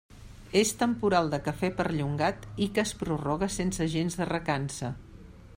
És temporal de café perllongat i que es prorroga sense gens de recança.